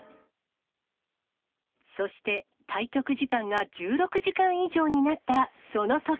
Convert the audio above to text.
そして、対局時間が１６時間以上になったそのとき。